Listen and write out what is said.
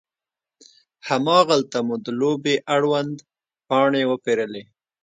هماغلته مو د لوبې اړوند پاڼې وپیرلې.